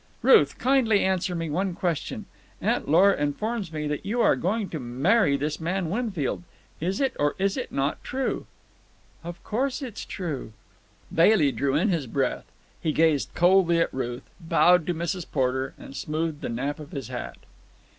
"Ruth, kindly answer me one question. Aunt Lora informs me that you are going to marry this man Winfield. Is it or is it not true?" "Of course it's true." Bailey drew in his breath. He gazed coldly at Ruth, bowed to Mrs. Porter, and smoothed the nap of his hat.